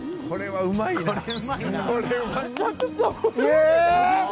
これうまいな。